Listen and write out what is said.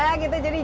ya kita jadi